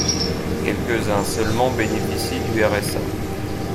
Quelques-uns seulement bénéficient du RSA.